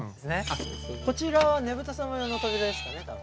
こちらはねぶた様用の扉ですかね多分。